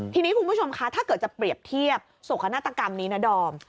ทีนี้คุณผู้ชมคะถ้าเกิดจะเปรียบเทียบโศกนาฏกรรมนี้นะดอม